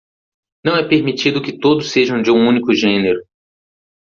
Não é permitido que todos sejam de um único gênero